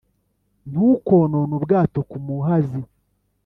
ntukonone ubwato ku muhazi